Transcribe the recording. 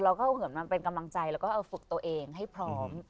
เราก็เหมือนมันเป็นกำลังใจแล้วก็เอาฝึกตัวเองให้พร้อม